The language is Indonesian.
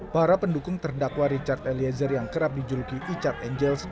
para pendukung terdakwa richard eliezer yang kerap dijuluki richard angels